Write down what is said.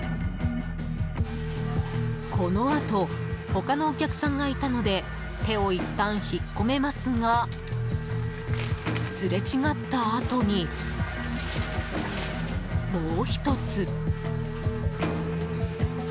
このあと他のお客さんがいたので手をいったん引っ込めますがすれ違ったあとに、もう１つ。